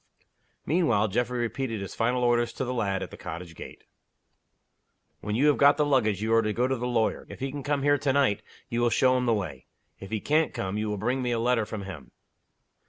Meanwhile Geoffrey repeated his final orders to the lad, at the cottage gate. "When you have got the luggage, you are to go to the lawyer. If he can come here to night, you will show him the way. If he can't come, you will bring me a letter from him.